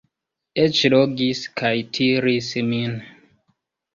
Eĉ logis kaj tiris min.